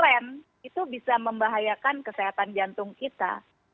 dan penyakit jantung koroner itu bisa membahayakan kesehatan jantung kita